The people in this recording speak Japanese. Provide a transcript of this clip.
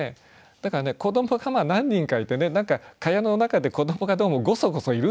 だからね子どもが何人かいて何か蚊帳の中で子どもがどうもゴソゴソいるんだろうなと。